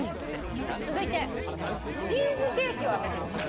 続いてチーズケーキを揚げてみます。